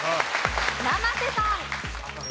生瀬さん。